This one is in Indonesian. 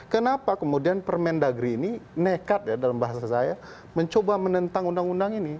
kenapa kemudian permendagri ini nekat ya dalam bahasa saya mencoba menentang undang undang ini